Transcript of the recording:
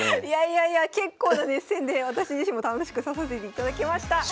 いやいやいや結構な熱戦で私自身も楽しく指させていただきました。